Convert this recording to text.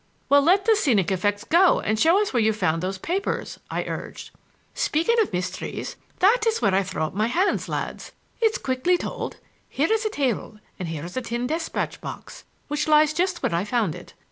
"Well, let the scenic effects go and show us where you found those papers," I urged. "Speaking of mysteries, that is where I throw up my hands, lads. It's quickly told. Here is a table, and here is a tin despatch box, which lies just where I found it.